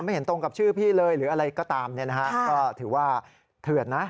ไม่เห็นตรงกับชื่อพี่เลยหรืออะไรก็ตามถือว่าเถิดนะ